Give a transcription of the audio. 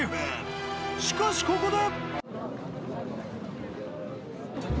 ［しかしここで］